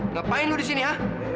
ngapain lo disini ha